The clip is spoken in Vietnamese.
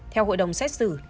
theo hội đồng xét xử